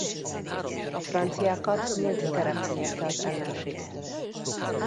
A franciákat nyílt terepen érte az ellenség tüze.